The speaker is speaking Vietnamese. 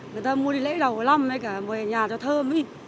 người ta mua đi lễ đầu năm hay cả về nhà cho thơm ấy